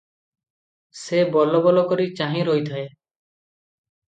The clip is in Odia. ସେ ବଲବଲ କରି ଚାହିଁ ରହିଥାଏ ।